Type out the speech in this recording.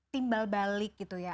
timbal balik gitu ya